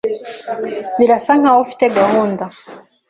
Birasa nkaho ufite gahunda.